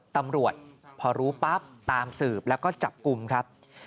ตำรวจพอรู้ปั๊บตามสืบแล้วก็จับกลุ่มครับ